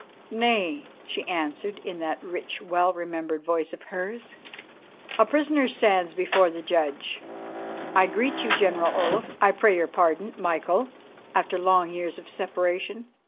"Nay," she answered in that rich, well remembered voice of hers, "a prisoner stands before the judge. I greet you, General Olaf, I pray your pardon Michael after long years of separation.